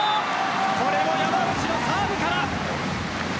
これも山内のサーブから。